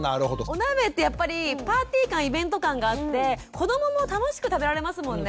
お鍋ってやっぱりパーティー感イベント感があって子どもも楽しく食べられますもんね。